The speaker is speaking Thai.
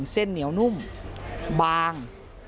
เส้นเหนียวนุ่มบาง